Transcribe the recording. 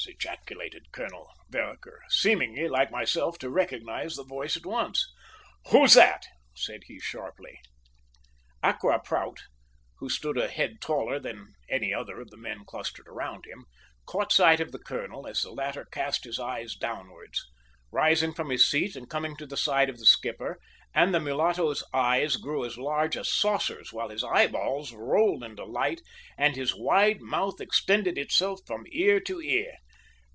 ejaculated Colonel Vereker, seemingly, like myself, to recognise the voice at once, "who's that?" said he sharply. Accra Prout, who stood a head taller than any other of the men clustered round him, caught sight of the colonel as the latter cast his eyes downwards, rising from his seat and coming to the side of the skipper; and the mulatto's eyes grew as large as saucers, while his eyeballs rolled in delight and his wide mouth extended itself from ear to ear.